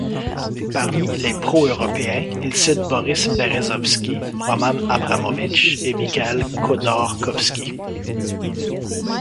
Parmi les pro-européens, il cite Boris Berezovsky, Roman Abramovitch et Mikhaïl Khodorkovski.